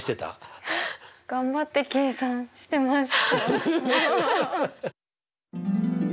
頑張って計算してました。